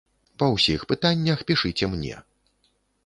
Па ўсіх пытаннях пішыце мне!